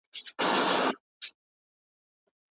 که ضمیر وي نو ګناه نه خوږیږي.